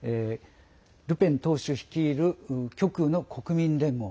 ルペン党首率いる極右の国民連合。